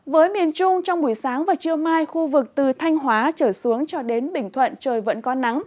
với miền trung trong buổi sáng và trưa mai khu vực từ thanh hóa trở xuống cho đến bình thuận trời vẫn có nắng